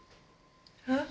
えっ？